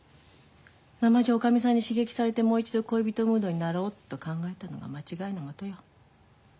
なまじおかみさんに刺激されてもう一度恋人ムードになろうと考えたのが間違いのもとよ。